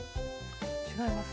違います？